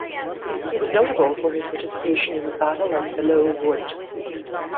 He was notable for his participation in the Battle of Belleau Wood.